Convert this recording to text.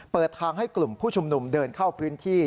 เปิดทางให้กลุ่มผู้ชุมนุมเดินเข้าพื้นที่